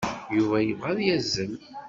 Yuba yebɣa ad yazzel.